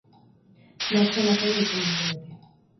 Martxa lasaia izan dute beti.